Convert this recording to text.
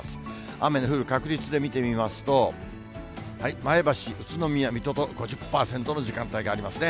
雨の降る確率で見てみますと、前橋、宇都宮、水戸と５０％の時間帯がありますね。